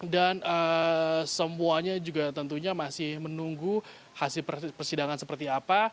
semuanya juga tentunya masih menunggu hasil persidangan seperti apa